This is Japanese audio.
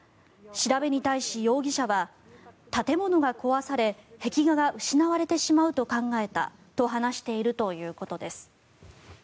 調べに対し、容疑者は建物が壊され壁画が失われてしまうと考えたと話しているということです。